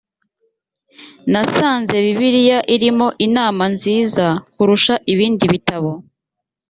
nasanze bibiliya irimo inama nziza kurusha ibindi bitabo